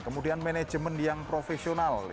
kemudian manajemen yang profesional